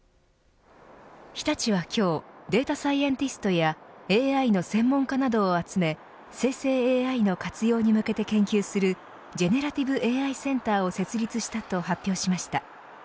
日立は今日データサイエンティストやＡＩの専門家などを集め生成ＡＩの活用に向けて研究するＧｅｎｅｒａｔｉｖｅＡＩセンターを設立したと発表しました。